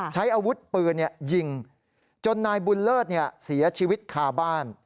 ใช้อาวุธปืนยิงจนนายบุญเลิศเสียชีวิตคาบ้าน